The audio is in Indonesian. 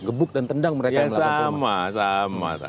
gebuk dan tendang mereka yang melakukan kebinaikan